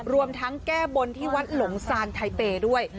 รวมทั้งแก้บนที่วัดหลงซานไทเปย์ด้วย